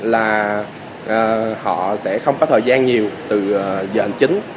là họ sẽ không có thời gian nhiều từ giờ hành chính